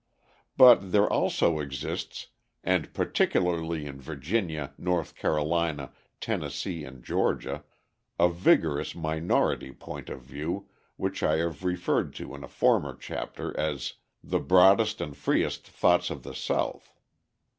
But there also exists, and particularly in Virginia, North Carolina, Tennessee, and Georgia, a vigorous minority point of view, which I have referred to in a former chapter as the "broadest and freest thought of the South."